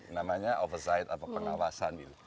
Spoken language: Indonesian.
namanya overside atau pengawasan gitu